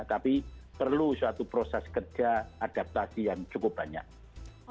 tapi perlu suatu proses kerja adaptasi yang cukup banyak